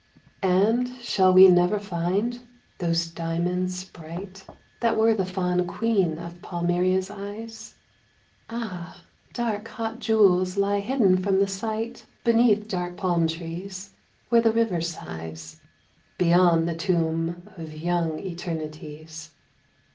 AND shall we never find those diamonds bright That were the fawn queen of Palmyria's eyes ? Ah, dark hot jewels lie hidden from the sight Beneath dark palm trees where the river sighs Beyond the tomb of young eternities.